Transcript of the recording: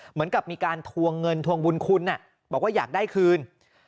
เหมือนกับมีการทวงเงินทวงบุญคุณบอกว่าอยากได้คืน